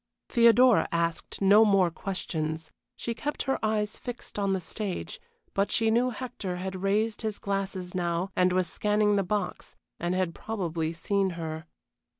Theodora asked no more questions. She kept her eyes fixed on the stage, but she knew Hector had raised his glasses now and was scanning the box, and had probably seen her.